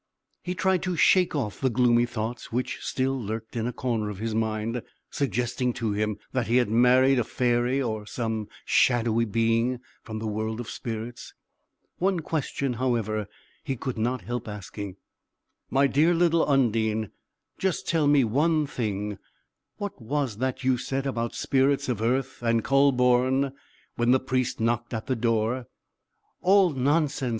He tried to shake off the gloomy thoughts which still lurked in a corner of his mind, suggesting to him that he had married a fairy, or some shadowy being from the world of spirits: one question, however, he could not help asking: "My dear little Undine, just tell me one thing: what was that you said about spirits of earth, and Kühleborn, when the Priest knocked at the door?" "All nonsense!"